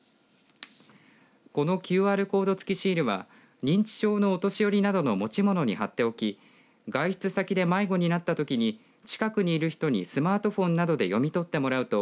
このＱＲコードつきシールは認知症のお年寄りなどの持ち物に貼っておき外出先で迷子になったときに近くにいる人にスマートフォンなどで読み取ってもらうと